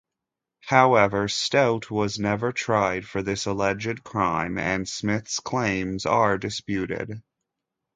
However, Stout was never tried for this alleged crime and Smith's claims are disputed.